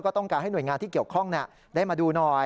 ต้องการให้หน่วยงานที่เกี่ยวข้องได้มาดูหน่อย